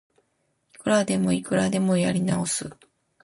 いくらでもいくらでもやり直す